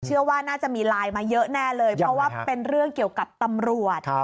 เชื่อว่าน่าจะมีไลน์มาเยอะแน่เลยเพราะว่าเป็นเรื่องเกี่ยวกับตำรวจ